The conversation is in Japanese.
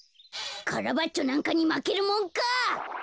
カラバッチョなんかにまけるもんか！